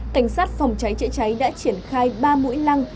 cảnh sát phòng cháy chữa cháy đã triển khai ba mũi lăng